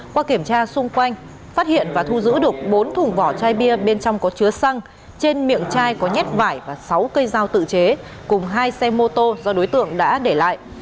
qua kiểm tra xung quanh phát hiện và thu giữ được bốn thùng vỏ chai bia bên trong có chứa xăng trên miệng chai có nhát vải và sáu cây dao tự chế cùng hai xe mô tô do đối tượng đã để lại